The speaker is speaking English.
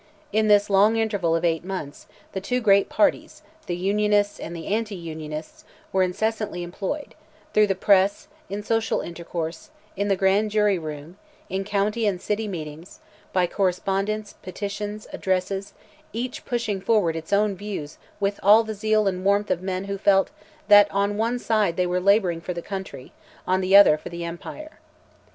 In this long interval of eight months, the two great parties, the Unionists and the anti Unionists were incessantly employed, through the press, in social intercourse, in the grand jury room, in county and city meetings, by correspondence, petitions, addresses, each pushing forward its own views with all the zeal and warmth of men who felt that on one side they were labouring for the country, on the other for the empire.